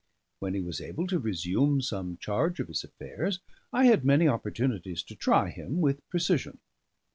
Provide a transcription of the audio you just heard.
When he was able to resume some charge of his affairs, I had many opportunities to try him with precision.